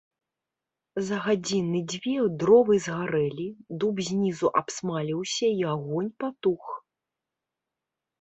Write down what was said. За гадзіны дзве дровы згарэлі, дуб знізу абсмаліўся, і агонь патух.